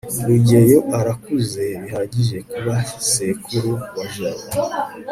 rugeyo arakuze bihagije kuba sekuru wa jabo